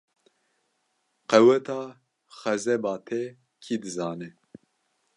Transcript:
Qeweta xezeba te kî dizane?